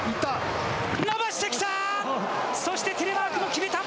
そしてテレマークも決めた。